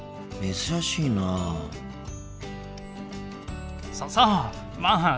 珍しいなあ。